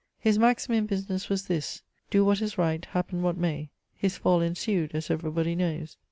His maxim in business was this : Do what is right, happen what may. His fall ensued, as every body knows.